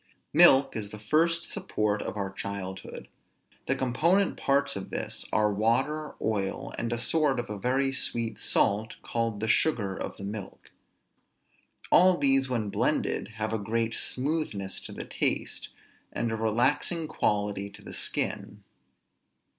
Milk is the first support of our childhood. The component parts of this are water, oil, and a sort of a very sweet salt, called the sugar of milk. All these when blended have a great smoothness to the taste, and a relaxing quality to the skin.